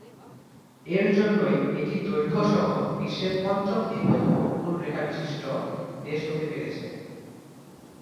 এর জন্যই এটি দৈর্ঘ্য সহ বিশ্বে পঞ্চম দীর্ঘতম উপকূলরেখা বিশিষ্ট দেশ হতে পেরেছে।